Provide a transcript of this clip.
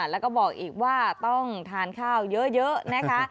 แล้วก็บอกอีกว่าต้องทานข้าวเยอะนะคะ